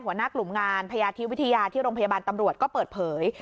หัวหน้ากลุ่มงานพยาธิวิทยาที่โรงพยาบาลตำรวจก็เปิดเผย